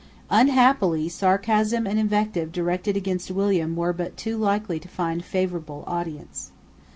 Unhappily sarcasm and invective directed against William were but too likely to find favourable audience.